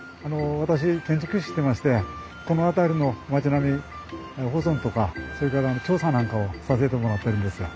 私建築士してましてこの辺りの町並み保存とかそれから調査なんかをさせてもらってるんですよ。